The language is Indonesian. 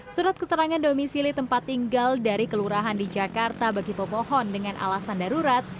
surat keterangan domisili tempat tinggal dari kelurahan di jakarta bagi pemohon dengan alasan darurat